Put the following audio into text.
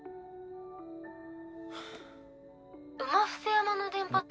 「馬伏山の電波塔？」。